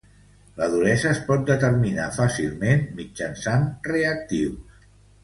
La duresa es pot determinar fàcilment mitjançant reactius.